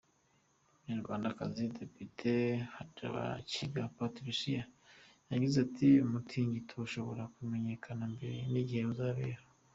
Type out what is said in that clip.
Umunyarwandakazi Depite Hajabakiga Patricia yagize ati “Umutingito ushobora kumenyekana mbere n’igihe uzabera.